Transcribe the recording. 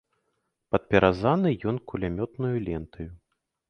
Падпяразаны ён кулямётнаю лентаю.